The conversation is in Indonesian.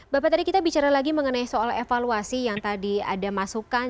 bapak tadi kita bicara lagi mengenai soal evaluasi yang tadi ada masukan